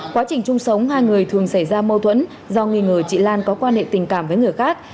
quá trình chung sống hai người thường xảy ra mâu thuẫn do nghi ngờ chị lan có quan hệ tình cảm với người khác